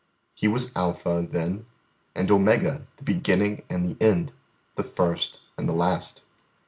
He was Alpha, then, and Omega, the beginning and the end, the first and the last.